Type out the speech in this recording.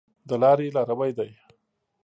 د لاري لاروی دی .